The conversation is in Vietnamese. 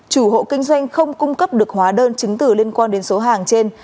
chủ hộ kinh doanh không cung cấp được hóa đơn chứng từ liên quan đến số hàng trên